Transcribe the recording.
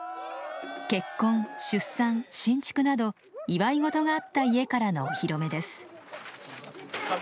結婚出産新築など祝い事があった家からのお披露目です。